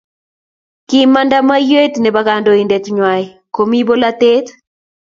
Kimanda moiyet nebo kandoindet nywani komi polatet